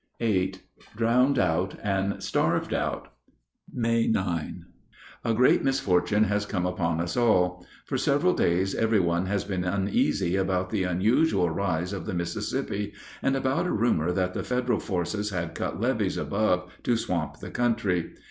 VIII DROWNED OUT AND STARVED OUT May 9. A great misfortune has come upon us all. For several days every one has been uneasy about the unusual rise of the Mississippi and about a rumor that the Federal forces had cut levees above to swamp the country.